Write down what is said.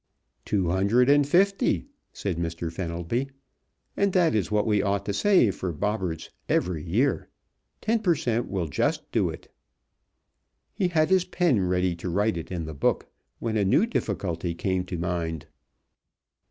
"Two hundred and fifty," said Mr. Fenelby, "and that is what we ought to save for Bobberts every year. Ten per cent. will just do it." He had his pen ready to write it in the book, when a new difficulty came to mind.